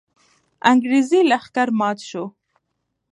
انګریزي لښکر مات سو.